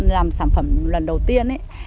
làm sản phẩm lần đầu tiên